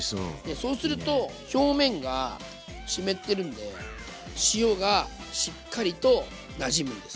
そうすると表面が湿ってるんで塩がしっかりとなじむんです。